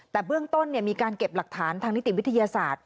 แต่เบื้องต้นมีการเก็บหลักฐานทางนิติวิทยาศาสตร์